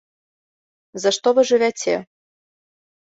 За што вы жывяце?